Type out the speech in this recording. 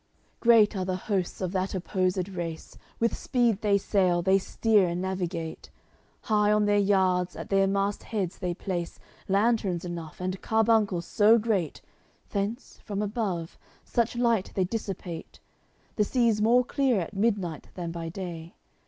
CXC Great are the hosts of that opposed race; With speed they sail, they steer and navigate. High on their yards, at their mast heads they place Lanterns enough, and carbuncles so great Thence, from above, such light they dissipate The sea's more clear at midnight than by day.